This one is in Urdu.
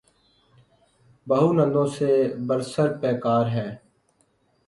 بہو نندوں سے برسر پیکار ہے۔